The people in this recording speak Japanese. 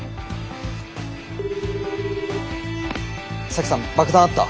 沙樹さん爆弾あった。